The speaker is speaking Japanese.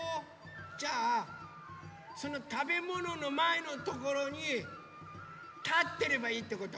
じゃあそのたべもののまえのところにたってればいいってこと？